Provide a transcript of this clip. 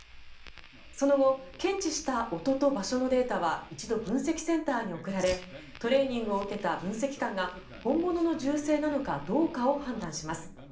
その後、検知した音と場所のデータは一度、分析センターに送られトレーニングを受けた分析官が本物の銃声なのかどうかを判断します。